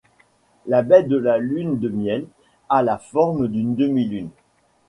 La baie de la Lune de Miel a la forme d’une demi-lune.